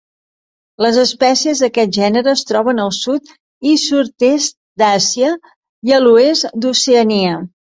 Les espècies d'aquest gènere es troben al sud i sud-est d'Àsia i a l'oest d'Oceania.